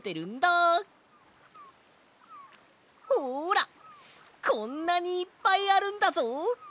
ほらこんなにいっぱいあるんだぞ！